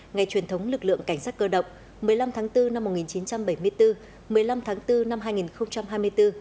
ngày truyền thống lực lượng cảnh sát cơ động một mươi năm tháng bốn năm một nghìn chín trăm bảy mươi bốn một mươi năm tháng bốn năm hai nghìn hai mươi bốn